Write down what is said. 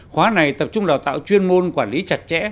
khóa này tập trung đào tạo chuyên môn quản lý chặt chẽ